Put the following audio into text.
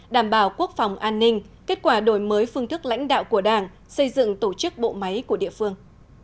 đảm bảo quốc phòng an ninh kết quả đổi mới phương thức lãnh đạo của đảng xây dựng tổ chức bộ máy của địa phương